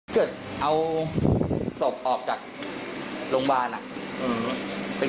สี่หมันไรประมาณ๒๐๒๒